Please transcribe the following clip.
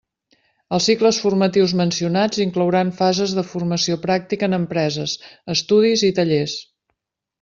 Els cicles formatius mencionats inclouran fases de formació pràctica en empreses, estudis i tallers.